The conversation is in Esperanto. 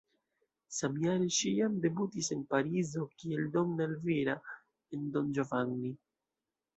Samjare ŝi jam debutis en Parizo kiel Donna Elvira en "Don Giovanni".